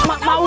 mak udah mak